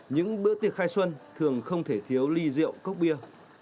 những bữa tiệc khai xuân thường không thể thiếu ly rượu cốc bia